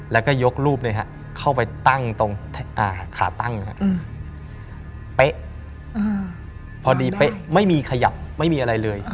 แล้วก็ยกรูปเข้าไปตั้งตรงขาตั้งเป๊ะพอดีเป๊ะไม่มีขยับไม่มีอะไรเลย